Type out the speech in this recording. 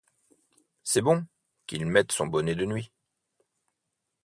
C'est bon, qu'il mette son bonnet de nuit.